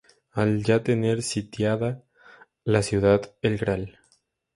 Al ya tener sitiada la ciudad, el Gral.